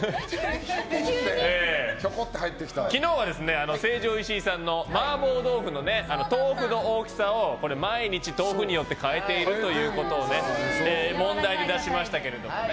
昨日は成城石井さんの麻婆豆腐の豆腐の大きさを毎日、豆腐によって変えているということを問題に出しましたけれども。